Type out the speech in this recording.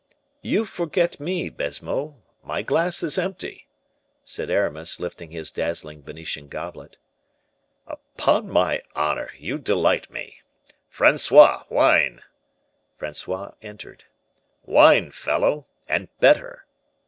"You forget me, Baisemeaux! my glass is empty," said Aramis, lifting his dazzling Venetian goblet. "Upon my honor, you delight me. Francois, wine!" Francois entered. "Wine, fellow! and better."